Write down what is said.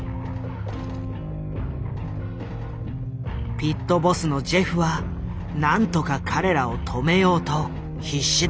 ピットボスのジェフは何とか彼らを止めようと必死だった。